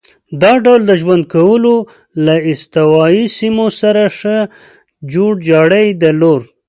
دا ډول د ژوند کولو له استوایي سیمو سره ښه جوړ جاړی درلود.